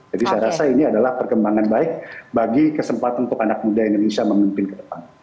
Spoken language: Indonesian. jadi saya rasa ini adalah perkembangan baik bagi kesempatan untuk anak muda indonesia memimpin ke depan